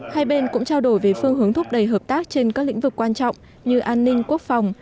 hai bên cũng trao đổi về phương hướng thúc đẩy hợp tác trên các lĩnh vực quan trọng như an ninh quốc phòng